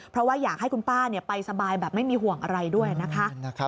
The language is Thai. เพราะว่าอยากให้คุณป้าไปสบายแบบไม่มีห่วงอะไรด้วยนะคะ